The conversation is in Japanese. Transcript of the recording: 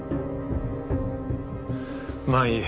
まあいい。